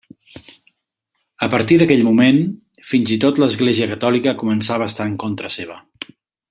A partir d'aquell moment, fins i tot l'Església Catòlica començava a estar en contra seva.